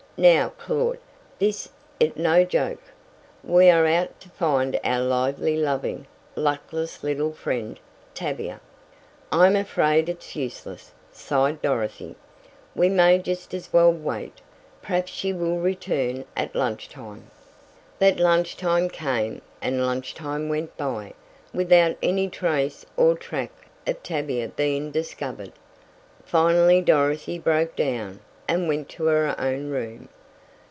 "Now, Claud, this it no joke! We are out to find our lively loving, luckless little friend, Tavia." "I'm afraid it's useless," sighed Dorothy. "We may just as well wait perhaps she will return at lunch time." But lunch time came, and lunch time went by, without any trace or track of Tavia being discovered. Finally Dorothy broke down, and went to her own room.